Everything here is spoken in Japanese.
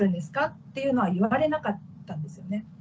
っていうのは言われなかったんですよね。